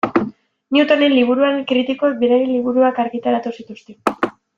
Newtonen liburuaren kritikoek beraien liburuak argitaratu zituzten.